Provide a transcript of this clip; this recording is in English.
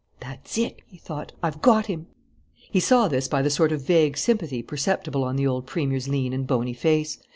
"That's it," he thought. "I've got him." He saw this by the sort of vague sympathy perceptible on the old Premier's lean and bony face.